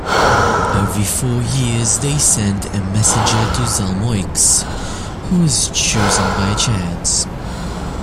Every four years, they send a messenger to Zalmoxis, who is chosen by chance.